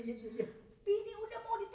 bini udah mau ditembak bule disini